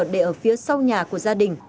để ở phía sau nhà của gia đình